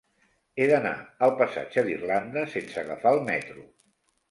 He d'anar al passatge d'Irlanda sense agafar el metro.